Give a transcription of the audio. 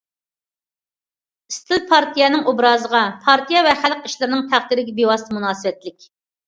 ئىستىل پارتىيەنىڭ ئوبرازىغا، پارتىيە ۋە خەلق ئىشلىرىنىڭ تەقدىرىگە بىۋاسىتە مۇناسىۋەتلىك.